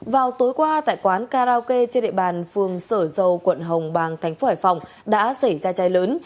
vào tối qua tại quán karaoke trên địa bàn phường sở dâu quận hồng bang tp hải phòng đã xảy ra cháy lớn